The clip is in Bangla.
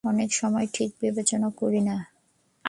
অনেক সময় সঠিক বিবেচনা করি না।